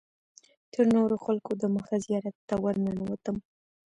تر نورو خلکو دمخه زیارت ته ورننوتم.